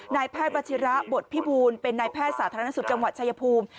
นายแพทย์วัชิระบทพิบูลเป็นนายแพทย์สาธารณสุขจังหวัดชายภูมิ